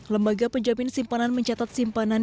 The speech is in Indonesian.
lembaga penjamin simpanan mencatat simpanan